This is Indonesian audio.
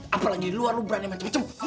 apalagi di luar lu berani macem macem